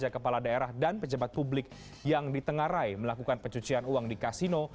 kepala daerah dan pejabat publik yang ditengarai melakukan pencucian uang di kasino